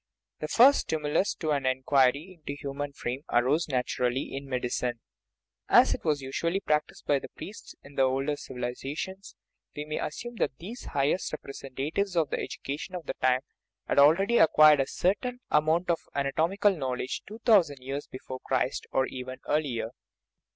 The first stimulus to an inquiry into the human frame arose, naturally, in medicine. As it was usually practised by the priests in the older civilizations, we may assume that these highest representatives of the education of the time had already acquired a certain 22 OUR BODILY FRAME amount of anatomical knowledge two thousand years before Christ, or even earlier.